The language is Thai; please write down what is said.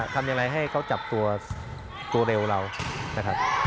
ทำยังไงให้เขาจับตัวเร็วเรานะครับ